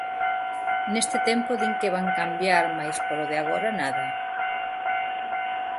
Neste tempo din que van cambiar mais polo de agora nada.